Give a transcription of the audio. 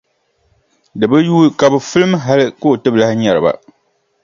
Di bi yuui ka bɛ filim hali ka o ti bi lahi nyari ba.